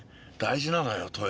大事なのよ